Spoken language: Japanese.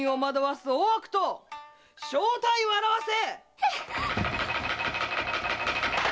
正体を現せ！